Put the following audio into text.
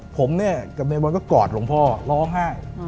ผมเนี่ยกับนายบอลก็กอดหลวงพ่อร้องไห้